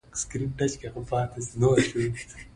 د افغانستان په منظره کې پابندی غرونه ښکاره ده.